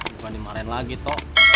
bukan dimarahin lagi toh